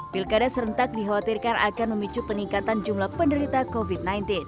pilkada serentak dikhawatirkan akan memicu peningkatan jumlah penderita covid sembilan belas